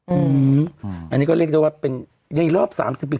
อืมอันนี้ก็เรียกได้ว่าเป็นในรอบ๓๐ปี